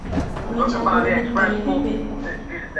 উনি যা বলিবেন তাই হইবে?